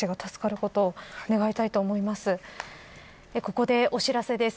ここで、お知らせです。